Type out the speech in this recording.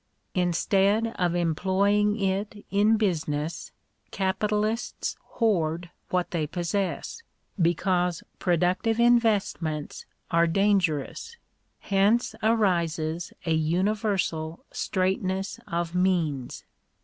Instead of em* ploying it in business, capitalists hoard what they possess, because productive investments are dangerous. Hence arises a universal straitness of means.